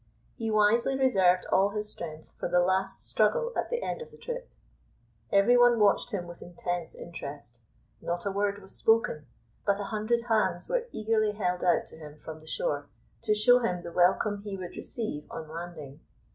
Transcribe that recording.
He wisely reserved all his strength for the last struggle at the end of the trip. Every one watched him with intense interest. Not a word was spoken, but a hundred hands were eagerly held out to him from the shore, to show him the welcome he would receive on landing.